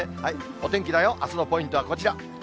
お天気だよ、あすのポイントはこちら。